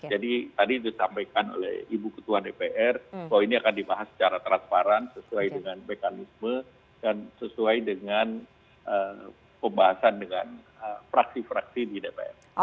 jadi tadi disampaikan oleh ibu ketua dpr bahwa ini akan dibahas secara transparan sesuai dengan mekanisme dan sesuai dengan pembahasan dengan fraksi fraksi di dpr